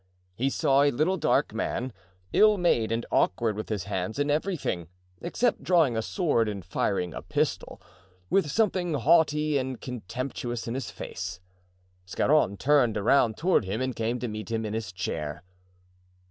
He saw a little dark man, ill made and awkward with his hands in everything—except drawing a sword and firing a pistol—with something haughty and contemptuous in his face. Scarron turned around toward him and came to meet him in his chair.